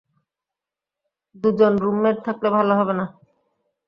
দুজন রুমমেট থাকলে ভালো হবে না?